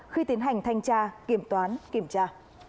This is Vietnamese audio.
khi tiến hành thanh tra kiểm toán kiểm tra